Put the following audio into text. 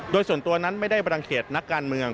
โดยส่วนตัวนั้นไม่ได้บรังเขตนักการเมือง